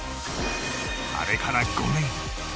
あれから５年。